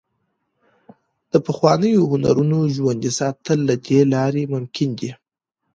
د پخوانیو هنرونو ژوندي ساتل له دې لارې ممکن دي.